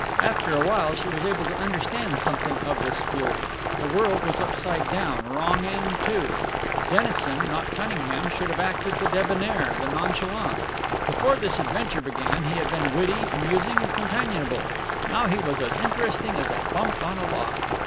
After a while she was able to understand something of this fury. The world was upside down, wrong end to. Dennison, not Cunningham, should have acted the debonair, the nonchalant. Before this adventure began he had been witty, amusing, companionable; now he was as interesting as a bump on a log.